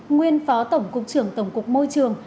nguyên phó tổng cục trưởng tổng cục môi trường